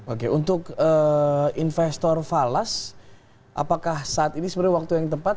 oke untuk investor falas apakah saat ini sebenarnya waktu yang tepat